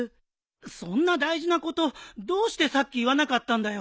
そんな大事なことどうしてさっき言わなかったんだよ。